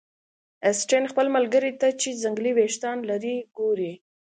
اسټین خپل ملګري ته چې ځنګلي ویښتان لري ګوري